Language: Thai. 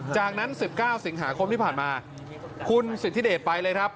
จากนั้น๑๙สิงหาคมที่ผ่านมาคุณสิทธิเดชไปเลยครับ